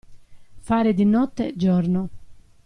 Fare di notte giorno.